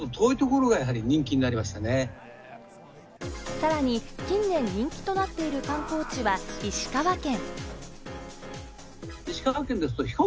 さらに近年人気となっている観光地は石川県。